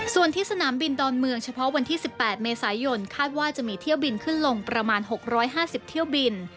ส่วนที่สนามบินดอนเมืองเฉพาะวันที่๑๘เมษายนคาดว่าจะมีเที่ยวบินขึ้นลงประมาณ๖๕๐เที่ยวบิน